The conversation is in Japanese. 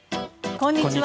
こんにちは。